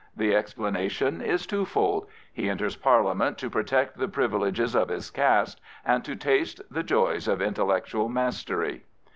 The explanation is twofold. He enters Parliament to protect the privileges of his caste and to taste the joys of intellectual mastery.